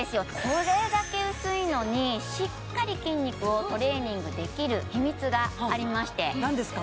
これだけ薄いのにしっかり筋肉をトレーニングできる秘密がありまして何ですか？